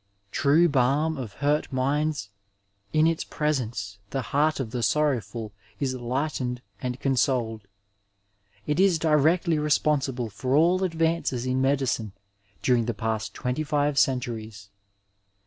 True balm of hurt minds, in its presence the heart of th^ sorrowful is lightened and consoled. It is di rectly responsible for all advances, in medicine during the past twenty five centuries.